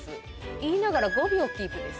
言いながら５秒キープです。